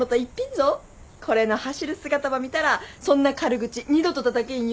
これの走る姿ば見たらそんな軽口二度とたたけんよ。